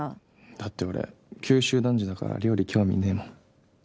だって俺九州男児だから料理興味ねえもん。